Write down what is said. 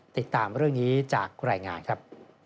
ติดตามเรื่องนี้จากรายงานครับ